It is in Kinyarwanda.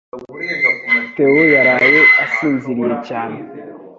Theo yaraye asinziriye cyane